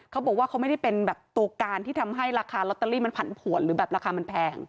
เขาบอกว่าเขาไม่ได้เป็นแบบตัวการที่ทำให้ราคาลอตเตอรี่มันผันผวนหรือแบบราคามันแพง